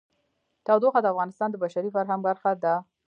تودوخه د افغانستان د بشري فرهنګ برخه ده.